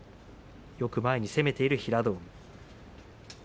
よく前に攻めている平戸海。